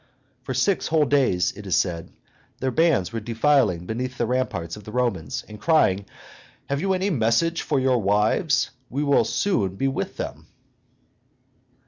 For six whole days, it is said, their bands were defiling beneath the ramparts of the Romans, and crying, "Have you any message for your wives? We shall soon be with them."